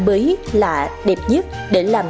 mới lạ đẹp nhất để làm